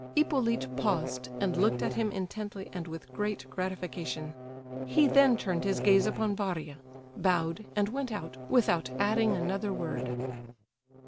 Hippolyte paused, and looked at him intently and with great gratification. He then turned his gaze upon Varia, bowed, and went out, without adding another word.